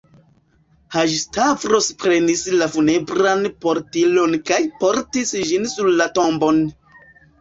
Haĝi-Stavros prenis la funebran portilon kaj portis ĝin sur la tombon.